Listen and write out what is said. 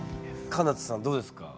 かな多さんどうですか？